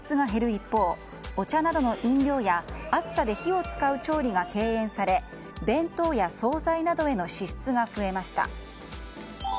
一方お茶などの飲料や暑さで火を使う調理が敬遠され弁当や総菜などへの支出が増えました。